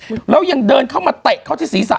อีกคนนึงเดินมาเตะ